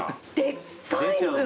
でっかいのよ。